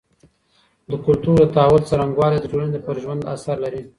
د کلتور د تحول څرنګوالی د ټولني پر ژوند اثر لري.